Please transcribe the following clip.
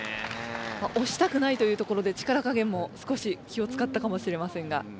押したくないというところで力かげんも少し気を使ったかもしれませんが。